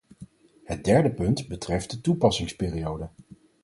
Het derde punt betreft de toepassingsperiode.